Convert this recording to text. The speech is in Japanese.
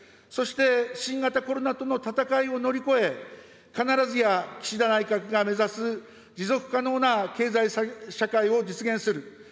そして、新型コロナとの闘いを乗り越え、必ずや岸田内閣が目指す持続可能な経済社会を実現する。